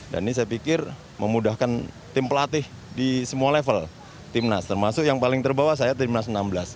dan ini saya pikir memudahkan tim pelatih di semua level timnas termasuk yang paling terbawah saya timnas enam belas